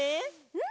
うん！